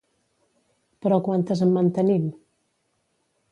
Però quantes en mantenim?